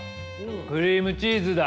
クリームチーズだ。